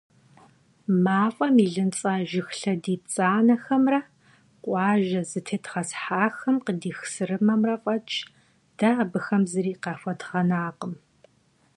МафӀэм илынцӀа жыг лъэдий пцӀанэхэмрэ къуажэ зэтедгъэсхьахэм къыдих сырымэмрэ фӀэкӀ дэ абыхэм зыри къахуэдгъэнакъым.